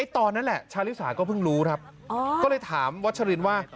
ตอนนั้นแหละชาลิสาก็เพิ่งรู้ครับก็เลยถามวัชรินว่า